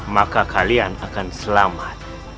maka kalian akan selamat